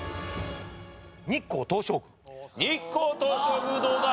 日光東照宮どうだ？